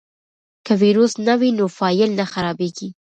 که ویروس نه وي نو فایل نه خرابېږي.